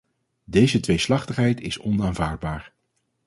Deze tweeslachtigheid is onaanvaardbaar.